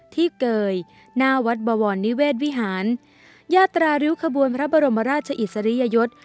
เกยหน้าวัดบวรนิเวศวิหารยาตราริ้วขบวนพระบรมราชอิสริยยศ